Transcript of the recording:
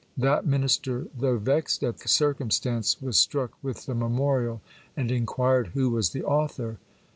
That minister, though vexed at the circumstance, was struck with the memorial, and inquired who was the author.